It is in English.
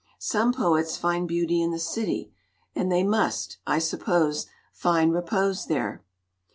Some poets find beauty in the city, and they must, I suppose, find repose there.